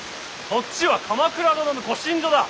そっちは鎌倉殿のご寝所だ。